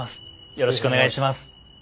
よろしくお願いします。